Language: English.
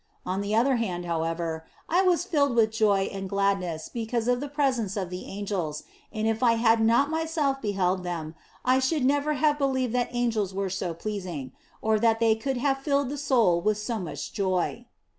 On the other hand, however, I was filled with joy and gladness because of the presence of the angels, and if I had not myself beheld them, I should never have believed that angels were so pleasing, or that they could have filled the soul with so much joy.